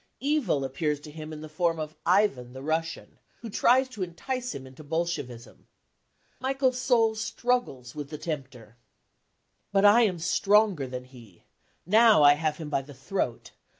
Evil appears to him in the form of Ivan, \ tiie Russian, who tries to entice him into Bolshevism. I Michael's soul struggles with the tempter : i # But I am stronger than he. * Now I have him by the throat